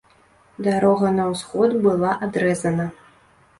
Дарога на ўсход была адрэзана.